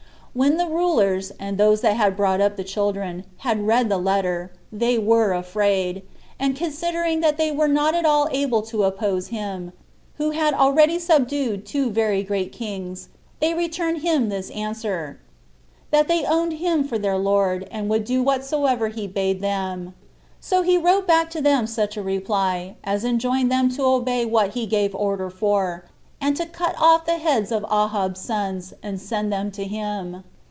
Now when the rulers, and those that had brought up the children, had read the letter, they were afraid; and considering that they were not at all able to oppose him, who had already subdued two very great kings, they returned him this answer: That they owned him for their lord, and would do whatsoever he bade them. So he wrote back to them such a reply as enjoined them to obey what he gave order for, and to cut off the heads of Ahab's sons, and send them to him.